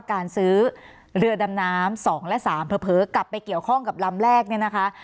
การซื้อเรือดำน้ำ๒และ๓เผลอกลับไปเกี่ยวข้องกับลำแรกเนี่ยนะคะ